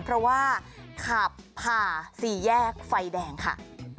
เพราะว่าขับผ่าสี่แยกไฟแดงค่ะ